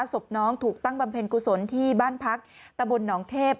ศพน้องถูกตั้งบำเพ็ญกุศลที่บ้านพักตะบนหนองเทพ